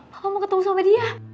aku mau ketemu sama dia